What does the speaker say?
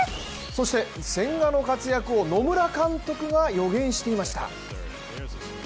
そして千賀の活躍を野村監督が予言していました。